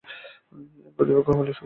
এর প্রতিপক্ষ হলে সুখ।